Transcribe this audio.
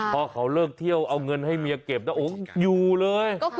พอเขาเลิกเที่ยวเอาเงินให้เมียเก็บนะโอ้อยู่เลย